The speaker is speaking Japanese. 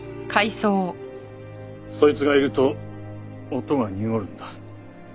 そいつがいると音が濁るんだ。